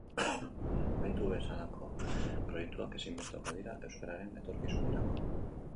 Gaitu bezalako proiektuak ezinbestekoak dira euskararen etorkizunerako.